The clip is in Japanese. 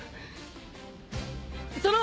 その！